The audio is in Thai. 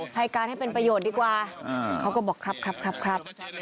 ให้การให้เป็นประโยชน์ดีกว่าเขาก็บอกครับครับ